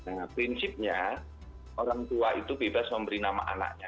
nah prinsipnya orang tua itu bebas memberi nama anaknya